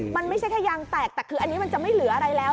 มันไม่ใช่แค่ยางแตกแต่คืออันนี้มันจะไม่เหลืออะไรแล้ว